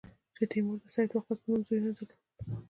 چې تیمور د سعد وقاص په نوم زوی نه درلود.